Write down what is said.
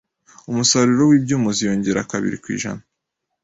Umusaruro wibyuma uziyongera kabiri kwijana.